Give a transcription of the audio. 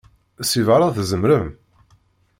Seg beṛṛa, tzemrem.